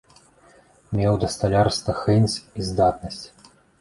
Меў да сталярства хэнць і здатнасць.